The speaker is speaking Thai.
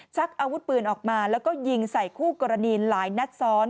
ชักอาวุธปืนออกมาแล้วก็ยิงใส่คู่กรณีหลายนัดซ้อน